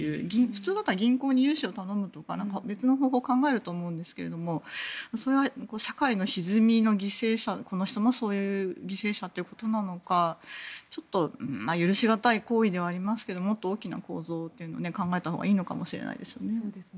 普通だったら銀行に融資を頼むとか別の方法を考えると思うんですけどそれは社会のひずみの犠牲者この人もそういう犠牲者ということなのか許し難い行為ではありますがもっと大きな構造を考えたほうがいいのかもしれないですね。